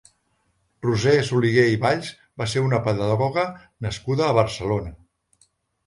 Roser Soliguer i Valls va ser una pedagoga nascuda a Barcelona.